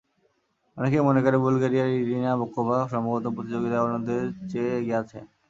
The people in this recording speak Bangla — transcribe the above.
অনেকেই মনে করেন বুলগেরিয়ার ইরিনা বোকোভা সম্ভবত প্রতিযোগিতায় অন্যদের চেয়ে এগিয়ে আছেন।